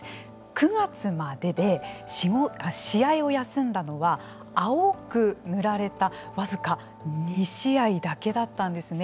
９月までで、試合を休んだのは青く塗られた僅か２試合だけだったんですね。